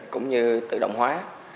cũng như tự động hóa